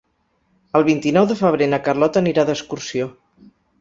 El vint-i-nou de febrer na Carlota anirà d'excursió.